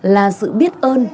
là sự biết ơn